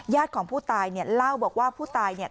ของผู้ตายเนี่ยเล่าบอกว่าผู้ตายเนี่ย